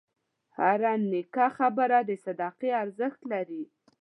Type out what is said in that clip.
هره نیکه خبره د صدقې ارزښت لري.